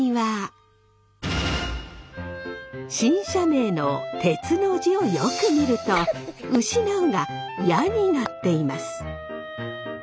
新社名の「鉄」の字をよく見ると「失う」が「矢」になっています。